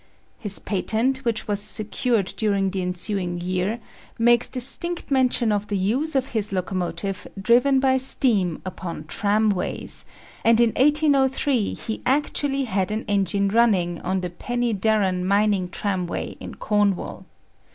His patent, which was secured during the ensuing year, makes distinct mention of the use of his locomotive driven by steam upon tramways; and in 1803 he actually had an engine running on the Pen y Darran mining tramway in Cornwall.